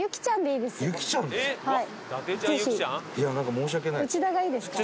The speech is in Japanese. いやなんか申し訳ない。